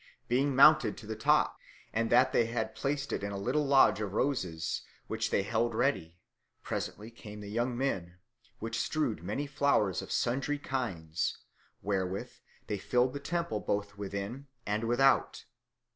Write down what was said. Being mounted to the top, and that they had placed it in a little lodge of roses which they held ready, presently came the young men, which strewed many flowers of sundry kinds, wherewith they filled the temple both within and without.